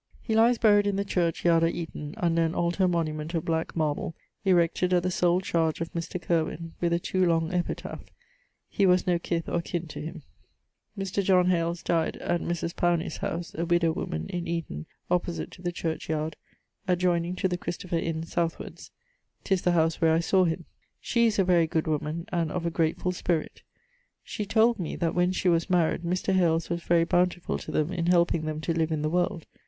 He lies buried in the church yard at Eaton, under an altar monument of black marble, erected at the sole chardge of Mr. ... Curwyn, with a too long epitaph. He was no kiff or kin to him. Mr. John Hales dyed at Mris Powney's house, a widow woman, in Eaton, opposite to the churchyard, adjoyning to the Christopher Inne southwards. 'Tis the howse where I sawe him. She is a very good woman and of a gratefull spirit. She told me that when she was maried, Mr. Hales was very bountifull to them in helping them to live in the world.